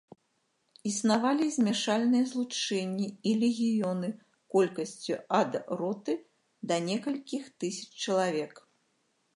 Існавалі і змяшаныя злучэнні і легіёны колькасцю ад роты да некалькіх тысяч чалавек.